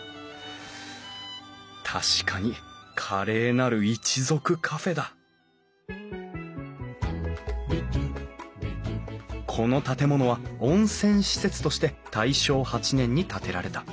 確かに「華麗なる一族カフェ」だこの建物は温泉施設として大正８年に建てられた。